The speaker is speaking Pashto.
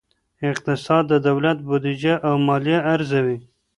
اقتصاد د دولت بودیجه او مالیه ارزوي.